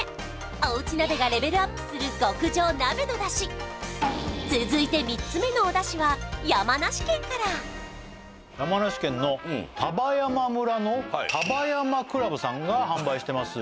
おうち鍋がレベルアップする極上鍋の出汁続いて３つ目のお出汁は山梨県から山梨県の丹波山村の丹波山倶楽部さんが販売してます